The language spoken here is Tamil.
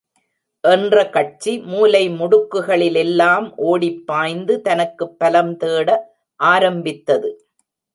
என்ற கட்சி மூலை முடுக்குகளிலெல்லாம் ஓடிப்பாய்ந்து தனக்குப் பலம் தேட ஆரம்பித்தது.